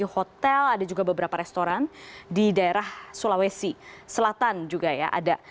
hotel ada juga beberapa restoran di daerah sulawesi selatan juga ya ada